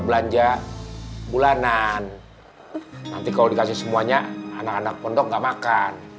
belanja bulanan nanti kalau dikasih semuanya anak anak pondok nggak makan